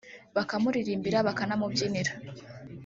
bakamuririmbira bakanamubyinira